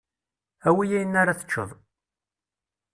Awi ayen ara teččeḍ.